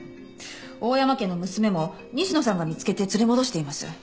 大山家の娘も西野さんが見つけて連れ戻しています。